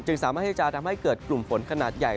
สามารถที่จะทำให้เกิดกลุ่มฝนขนาดใหญ่